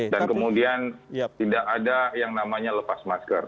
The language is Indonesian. dan kemudian tidak ada yang namanya lepas masker